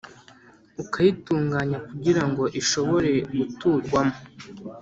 ukayitunganya kugira ngo ishobore guturwamo